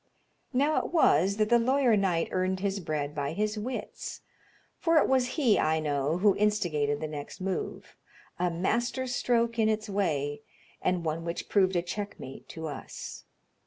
Now it was that the lawyer knight earned his bread by his wits, for it was he, I know, who instigated the next move a master stroke in its way, and one which proved a checkmate to us.